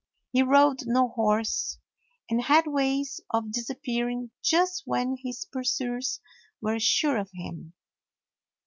He rode no horse and had ways of disappearing just when his pursuers were sure of him.